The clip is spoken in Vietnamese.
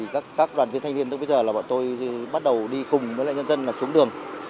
các đoàn viên thanh niên bây giờ bắt đầu đi cùng với nhân dân xuống đường